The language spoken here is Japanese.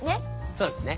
そうですね。